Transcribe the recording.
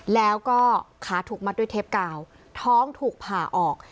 แล้วก็ขาถูกมัดด้วยเทปกาวท้องถูกผ่าออก